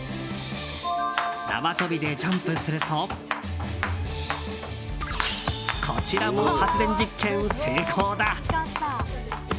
縄跳びでジャンプするとこちらも発電実験、成功だ。